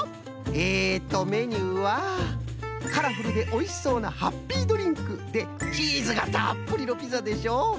えっとメニューはカラフルでおいしそうなハッピードリンクでチーズがたっぷりのピザでしょ。